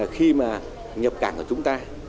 khi mà nhập cảng của chúng ta